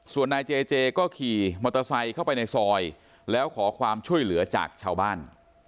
ส่วนนายเจเจก็ขี่มอเตอร์ไซค์เข้าไปในซอยแล้วขอความช่วยเหลือจากชาวบ้าน